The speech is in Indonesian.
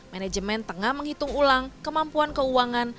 manajemen tengah menghitung ulang kemampuan keuangan